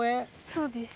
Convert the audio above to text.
そうです。